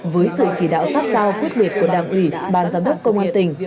với sự chỉ đạo sát sao quyết liệt của đảng ủy ban giám đốc công an tỉnh